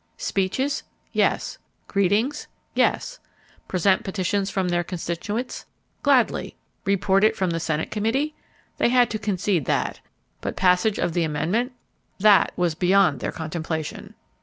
Speeches? Yes. Greetings? Yes. Present petitions from their constituencies? Gladly. Report it from the Senate Committee? They had to concede that. But passage of the amendment? That was beyond their contemplation.